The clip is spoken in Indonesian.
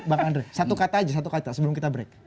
bang andre satu kata aja satu kata sebelum kita break